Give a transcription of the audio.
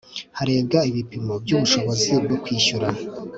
harebwa ibipimo by'ubushobozi bwo kwishyura